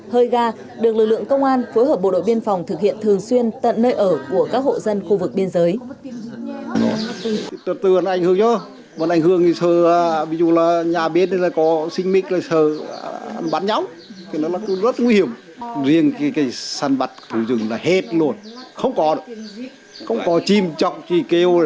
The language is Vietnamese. cây gà được lực lượng công an phối hợp bộ đội biên phòng thực hiện thường xuyên tận nơi ở của các hộ dân khu vực biên giới